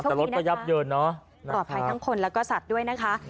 แต่รถก็ยับเยินเนอะปลอดภัยทั้งคนแล้วก็สัตว์ด้วยนะคะ